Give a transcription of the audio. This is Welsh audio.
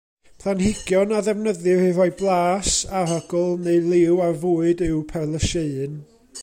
Planhigion a ddefnyddir i roi blas, arogl neu liw ar fwyd yw perlysieuyn.